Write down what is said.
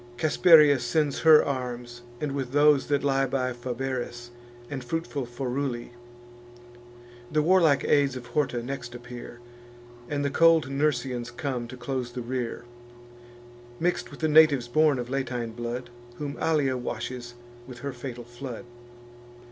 Casperia sends her arms, with those that lie By Fabaris, and fruitful Foruli: The warlike aids of Horta next appear, And the cold Nursians come to close the rear, Mix'd with the natives born of Latine blood, Whom Allia washes with her fatal flood.